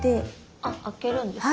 あっあけるんですね。